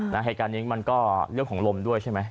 เหตุการณ์นี้มันก็เรื่องของลมด้วยใช่ไหม